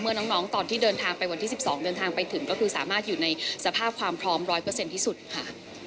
เมื่อน้องตอนที่เดินทางไปวันที่๑๒เดินทางไปถึงก็คือสามารถอยู่ในสภาพความพร้อมร้อยเปอร์เซ็นต์ที่สุดค่ะ